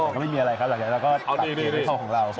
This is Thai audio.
อ๋อแต่ก็ไม่มีอะไรครับหลังจากนั้นเราก็ตัดเพลงให้เขาของเรา